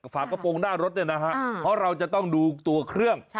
ฝากระโปรงหน้ารถเนี่ยนะฮะเพราะเราจะต้องดูตัวเครื่อง